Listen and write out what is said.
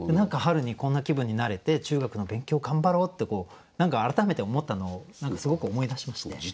春にこんな気分になれて中学の勉強頑張ろうって何か改めて思ったのをすごく思い出しまして。